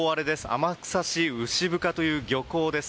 天草市牛深の漁港です。